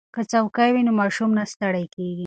که څوکۍ وي نو ماشوم نه ستړی کیږي.